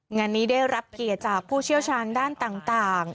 งานนี้ได้รับเกียรติจากผู้เชี่ยวชาญด้านต่าง